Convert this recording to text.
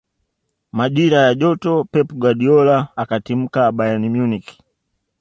majira ya joto pep guardiola akatimka bayern munich